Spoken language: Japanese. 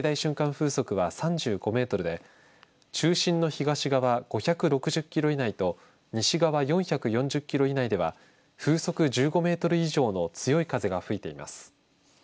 風速は３５メートルで中心の東側５６０キロ以内と西側４４０キロ以内では風速１５メートル以上の強い風が吹いています。